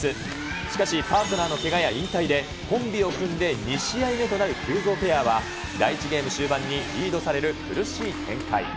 しかし、パートナーのけがや引退で、コンビを組んで２試合目となる急造ペアは、第１ゲーム終盤にリードされる苦しい展開。